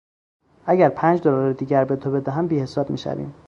اگر پنج دلار دیگر به تو بدهم بیحساب میشویم.